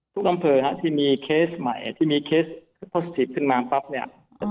อำเภอที่มีเคสใหม่ที่มีเคสพสติกขึ้นมาปั๊บเนี่ย